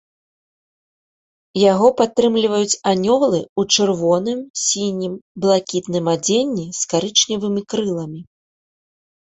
Яго падтрымліваюць анёлы ў чырвоным, сінім, блакітным адзенні з карычневымі крыламі.